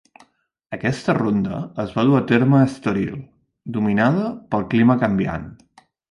Aquesta ronda es va dur a terme a Estoril, dominada pel clima canviant.